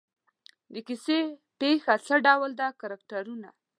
د کیسې پېښه څه ډول ده کرکټرونه.